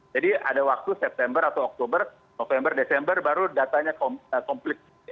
jadi ada waktu september atau oktober november desember baru datanya komplit